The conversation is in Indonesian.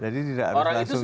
jadi tidak ada langsung